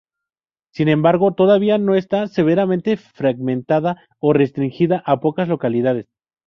Sin embargo todavía no está severamente fragmentada o restringida a pocas localidades.